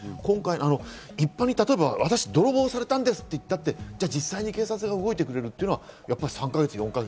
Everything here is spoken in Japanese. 一般に、例えば私、泥棒されたんですって言ったって、実際警察が動いてくれるというのは３か月、４か月。